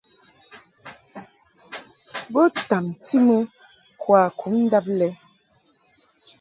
Bo tamti mɨ kwakum ndab bɛ mɛʼ.